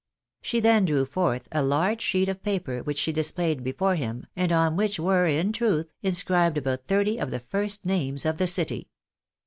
She then drew forth a large sheet of paper which she displayed before him, and on which were, in truth, inscribed about thirty of the first names of the city.